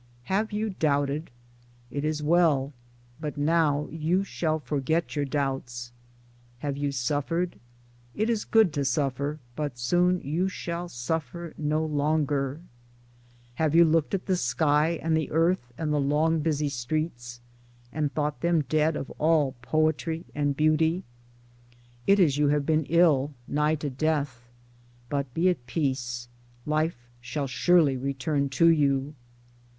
Have you doubted? — It is well. But now you shall forget your doubts. Have you suffered ?— It is good to suffer ; but soon you shall suffer no longer. Towards Democracy 95 Have you looked at the sky and the earth and the long busy streets and thought them dead of all poetry and beauty ?— It is you have been ill, nigh to death ; but be at peace : life shall surely return to you.